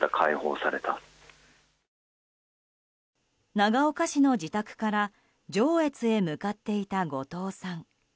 長岡市の自宅から上越へ向かっていた後藤さん。